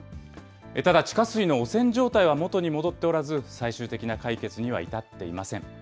ただ、地下水の汚染状態は元に戻っておらず、最終的な解決には至っていません。